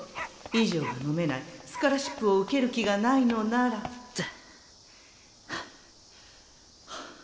以上がのめないスカラシップを受ける気がないのならはぁはぁはぁ。